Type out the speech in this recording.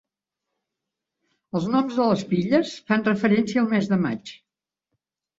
Els noms de les filles fan referència al mes de maig.